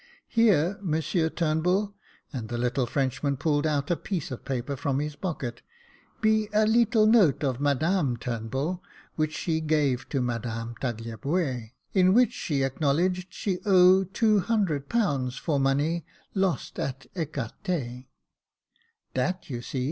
Here, Monsieur Turnbull" (and the little Frenchman pulled out a piece of paper from his pocket), " be a leetle note of Madame Tnrnbull, which she gave to Madame Tagliabue, in which she acknowledged she owe two hundred pounds for money lost at ecarte. Dat you see.